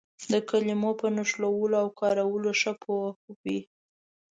د کلمو په نښلولو او کارولو ښه پوه وي.